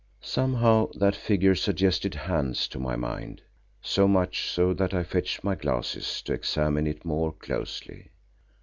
Somehow that figure suggested Hans to my mind, so much so that I fetched my glasses to examine it more closely.